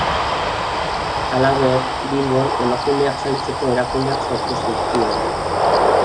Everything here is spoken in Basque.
Halaber, Bilbon emakumeak zaintzeko erakundeak sortu zituen.